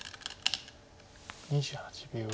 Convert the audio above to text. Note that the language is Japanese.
２８秒。